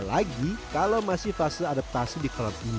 apalagi kalau masih fase adaptasi di klub ini